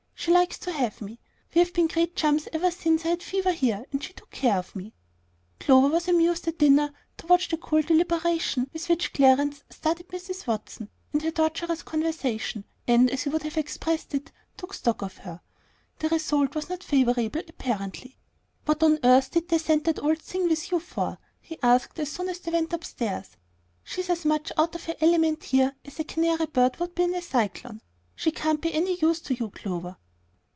She likes to have me. We've been great chums ever since I had fever here, and she took care of me." Clover was amused at dinner to watch the cool deliberation with which Clarence studied Mrs. Watson and her tortuous conversation, and, as he would have expressed it, "took stock of her." The result was not favorable, apparently. "What on earth did they send that old thing with you for?" he asked as soon as they went upstairs. "She's as much out of her element here as a canary bird would be in a cyclone. She can't be any use to you, Clover."